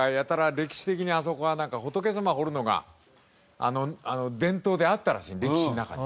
歴史的にあそこはなんか仏様を彫るのが伝統であったらしい歴史の中に。